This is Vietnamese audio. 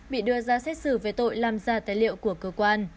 bị đưa ra xét xử về tội làm giả tài liệu của cơ quan